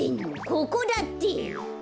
ここだって！